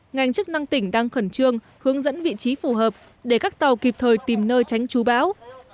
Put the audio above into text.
ngành chức năng tỉnh đang khẩn trương hướng dẫn vị trí phù hợp để các tàu kịp thời tìm nơi tránh chú bão